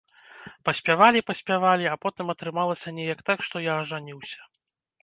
Паспявалі-паспявалі, а потым атрымалася неяк так, што я ажаніўся.